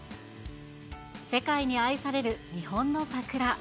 世界に愛される日本の桜。